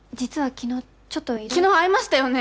昨日会いましたよね？